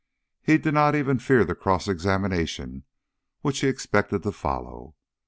He did not even fear the cross examination which he expected to follow.